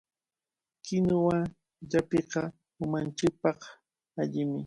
Kinuwa llapiqa umanchikpaq allimi.